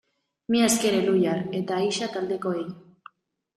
Mila esker Elhuyar eta Ixa taldekoei!